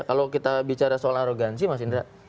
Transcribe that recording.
kalau kita bicara soal arogansi mas indra